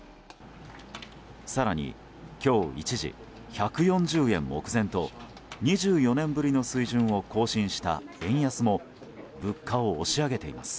更に今日、一時１４０円目前と２４年ぶりの水準を更新した円安も物価を押し上げています。